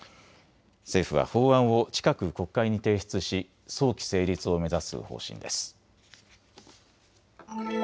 政府は法案を近く国会に提出し早期成立を目指す方針です。